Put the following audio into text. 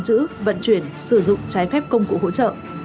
chữ vận chuyển sử dụng trái phép công cụ hỗ trợ